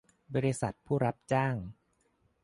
บริษัทผู้รับจ้าง